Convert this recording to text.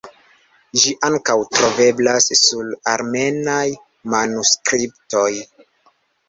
Ĝi ankaŭ troveblas sur armenaj manuskriptoj.